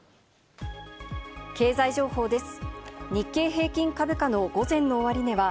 経済情報です。